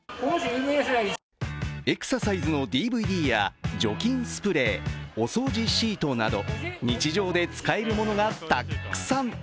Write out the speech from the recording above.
エクササイズのＤＶＤや除菌スプレーお掃除シートなど日常で使えるものがたくさん。